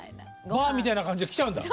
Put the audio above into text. バーみたいな感じで来ちゃうんだ。